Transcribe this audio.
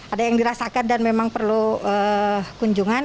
ada yang dirasakan dan memang perlu kunjungan